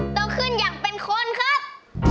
โตขึ้นอย่างเป็นคนครับ